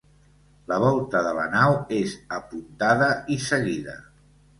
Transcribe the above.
La volta de la nau és apuntada i seguida.